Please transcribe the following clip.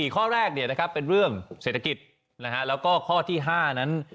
ข้อแรกเป็นเรื่องเศรษฐกิจแล้วก็ข้อที่๕นั้น